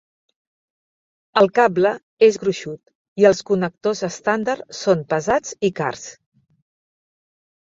El cable és gruixut, i els connectors estàndard són pesats i cars.